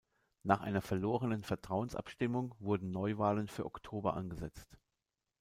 Nach einer verlorenen Vertrauensabstimmung wurden Neuwahlen für Oktober angesetzt.